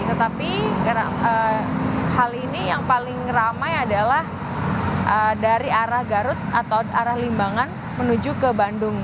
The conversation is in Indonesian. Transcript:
tetapi hal ini yang paling ramai adalah dari arah garut atau arah limbangan menuju ke bandung